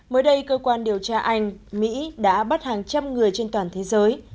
mới đây cơ quan điều tra anh mỹ đã bắt hàng trăm người trên toàn thế giới